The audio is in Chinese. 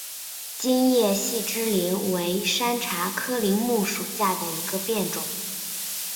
金叶细枝柃为山茶科柃木属下的一个变种。